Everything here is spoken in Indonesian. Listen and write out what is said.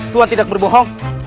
tuhan tidak berbohong